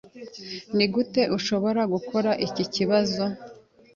Nigute ushobora kubara iki kibazo?